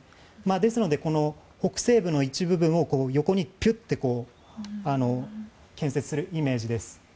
ですので、北西部の一部分を横にピュッと建設するイメージです。